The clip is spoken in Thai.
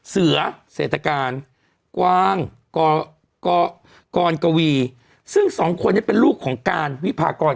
เสือเศรษฐการกวางกรกวีซึ่งสองคนนี้เป็นลูกของการวิพากร